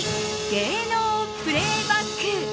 芸能プレイバック。